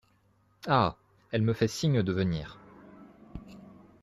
Ah ! elle me fait signe de venir…